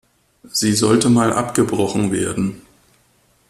Sie sollte mal abgebrochen werden.